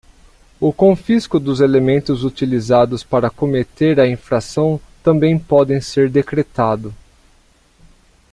O confisco dos elementos utilizados para cometer a infração também pode ser decretado.